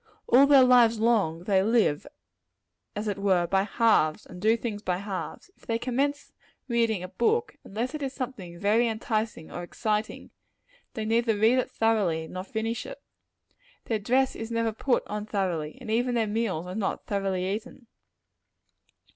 All their lives long, they live, as it were, by halves, and do things by halves. If they commence reading a book, unless it is something very enticing and exciting, they neither read it thoroughly nor finish it. Their dress is never put on thoroughly; and even their meals are not thoroughly eaten.